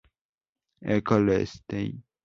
École Ste.